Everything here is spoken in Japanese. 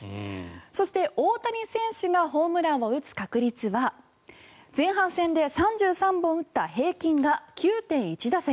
そして、大谷選手がホームランを打つ確率は前半戦で３３本打った平均が９．１打席。